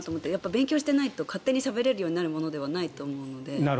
勉強していないと勝手にしゃべれるようになるものではないと思うので。